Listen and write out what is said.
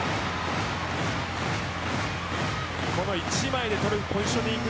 この１枚で取るポジショニング